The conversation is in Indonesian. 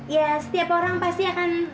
ya setiap orang pasti akan